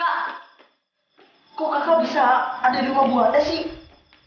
kak kok kakak bisa ada di rumah bu wanda sih